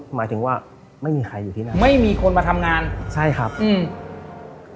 หมายถึงว่าไม่มีใครอยู่ที่นั่นไม่มีคนมาทำงานใช่ครับอืม